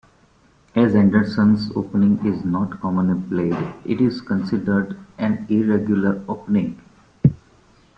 As Anderssen's Opening is not commonly played, it is considered an irregular opening.